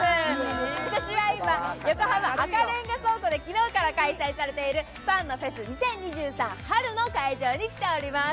私は今、横浜赤レンガ倉庫で昨日から開催されているパンのフェス２０２３春の会場に来ております。